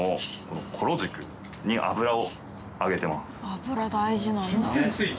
油大事なんだ。